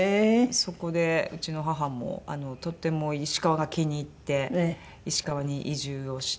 そこでうちの母もとても石川が気に入って石川に移住をして。